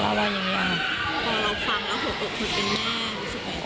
พอเราฟังแล้วหัวออกหัวเป็นหน้ารู้สึกเป็นอะไร